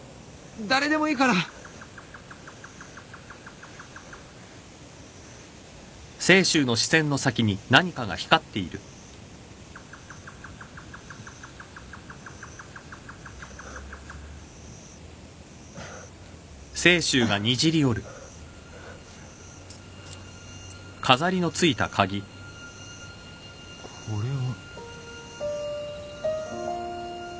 誰でもいいからこれは。